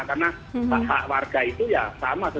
karena hak hak warga itu ya sama